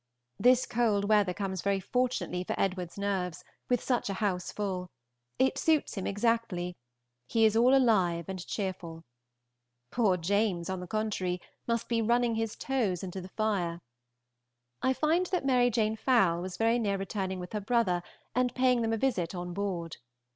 This cold weather comes very fortunately for Edward's nerves, with such a house full; it suits him exactly; he is all alive and cheerful. Poor James, on the contrary, must be running his toes into the fire. I find that Mary Jane Fowle was very near returning with her brother and paying them a visit on board.